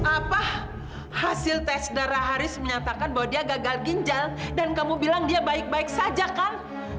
apa hasil tes darah haris menyatakan bahwa dia gagal ginjal dan kamu bilang dia baik baik saja kan